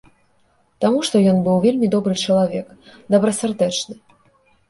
Таму што ён быў вельмі добры чалавек, добрасардэчны.